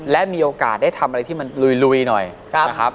และมีโอกาสได้ทำอะไรที่มันลุยหน่อยนะครับ